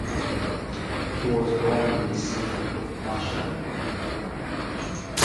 He was born in the city of Mashad, Iran.